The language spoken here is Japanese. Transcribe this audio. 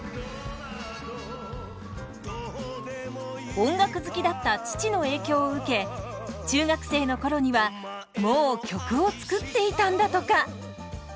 音楽好きだった父の影響を受け中学生の頃にはもう曲を作っていたんだとか。